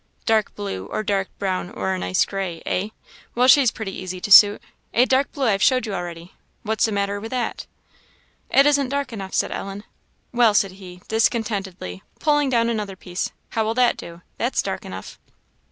" 'Dark blue,' or 'dark brown,' or a 'nice gray,' eh? Well, she's pretty easy to suit. A dark blue I've showed you already what's the matter with that?" "It isn't dark enough," said Ellen. "Well," said he, discontentedly, pulling down another piece, "how'll that do? That's dark enough."